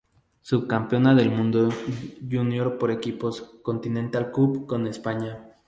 Subcampeona del Mundo Junior por equipos "Continental Cup", con España.